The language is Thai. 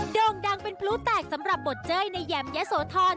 โด่งดังเป็นพลุแตกสำหรับบทเจ้ยในแยมยะโสธร